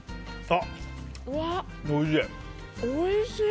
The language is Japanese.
あ、おいしい！